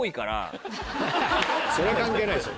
それ関係ないでしょ。